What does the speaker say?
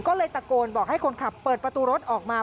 ก็เลยตะโกนบอกให้คนขับเปิดประตูรถออกมา